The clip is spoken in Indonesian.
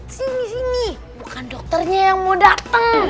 sini sini bukan dokternya yang mau datang